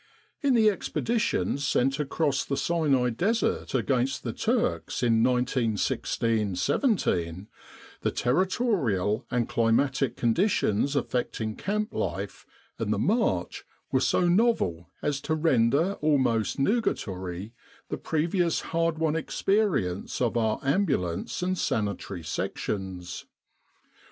In the expedition sent across the Sinai Desert against the Turks in 1916 17, the territorial and climatic conditions affecting camp life and the march were so novel as to render almost nugatory the previous hard won experience of our Ambulance and Sanitary Sections.